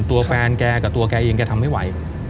ตัวแฟนแกกับตัวแกเองแกทำไม่ไหว